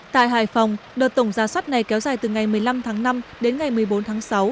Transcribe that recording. tại hải phòng đợt tổng ra soát này kéo dài từ ngày một mươi năm tháng năm đến ngày một mươi bốn tháng sáu